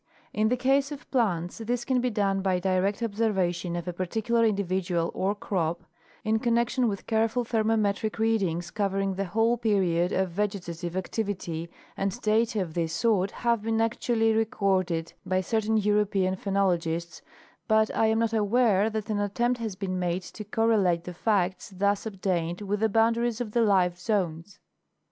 In the case of plants this can be done by direct observation of a particular individual or crop, in con nection with careful thermometric readings covering the whole period of vegetative activity, and data of this sort have been actually recorded by certain European phenologists, but I am not aware that an attempt has been made to correlate the facts thus obtained with the boundaries of the life zones.